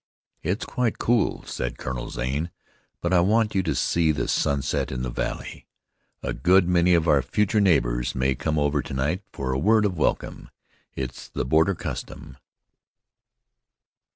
"It's quite cool," said Colonel Zane; "but I want you to see the sunset in the valley. A good many of your future neighbors may come over to night for a word of welcome. It's the border custom."